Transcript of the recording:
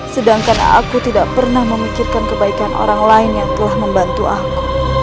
sedangkan aku tidak pernah memikirkan kebaikan orang lain yang telah membantu aku